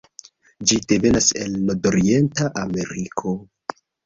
Ĝi devenas el nordorienta Ameriko.